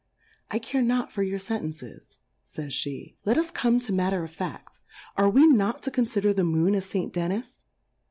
I care not for your Sen tences, fo)s (he^ let us come to Matter of Faft. Are we not to confider the Moon as St. Dennis